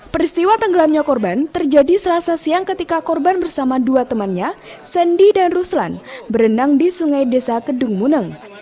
peristiwa tenggelamnya korban terjadi selasa siang ketika korban bersama dua temannya sandy dan ruslan berenang di sungai desa kedung muneng